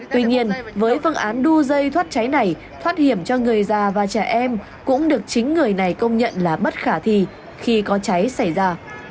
tuy nhiên với phương án đu dây thoát cháy này thoát hiểm cho người già và trẻ em cũng được chính người này công nhận là bất khả thi khi có cháy xảy ra